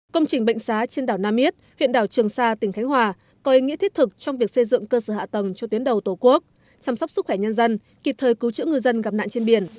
công trình bệnh xá trên đảo nam yết huyện đảo trường sa tỉnh khánh hòa có ý nghĩa thiết thực trong việc xây dựng cơ sở hạ tầng cho tiến đầu tổ quốc chăm sóc sức khỏe nhân dân kịp thời cứu chữa ngư dân gặp nạn trên biển